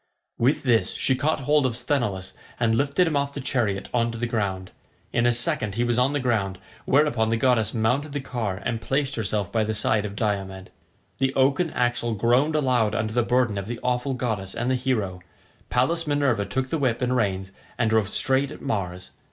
With this she caught hold of Sthenelus and lifted him off the chariot on to the ground. In a second he was on the ground, whereupon the goddess mounted the car and placed herself by the side of Diomed. The oaken axle groaned aloud under the burden of the awful goddess and the hero; Pallas Minerva took the whip and reins, and drove straight at Mars.